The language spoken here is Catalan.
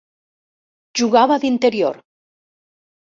Jugava d'interior.